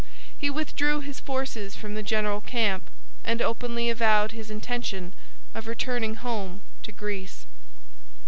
He withdrew his forces from the general camp and openly avowed his intention of returning home to Greece.